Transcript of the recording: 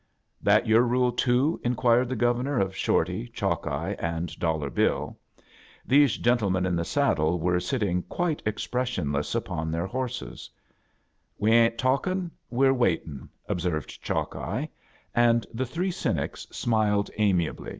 " That your rule, too?" inquired the Governor of Shorty, Chalkeye, and Dollar Bill. These gentlemen of the saddle were sitting quite expressionless upon their We ain't talkin*, we're waitin'," ob served Chalkeye; and the three cynics smiled amiably.